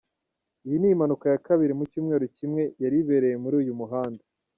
Iyi ni impanuka ya kabiri mu cyumweru kimwe yari ibereye muri uyu muhanda.